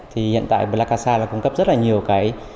thì hiện tại plakasa là cung cấp rất là nhiều cái